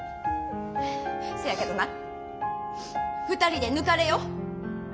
せやけどな２人で抜かれよ。